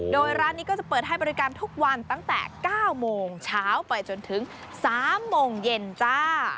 โดยร้านนี้ก็จะเปิดให้บริการทุกวันตั้งแต่๙โมงเช้าไปจนถึง๓โมงเย็นจ้า